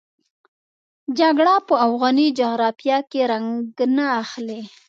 جګړه په افغاني جغرافیه کې رنګ نه اخلي.